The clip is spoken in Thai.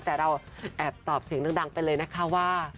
แต่เราแอบตอบเสียงดังไปเลยนะคะว่า